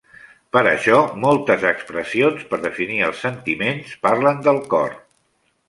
Per això moltes expressions per definir els sentiments parlen del cor.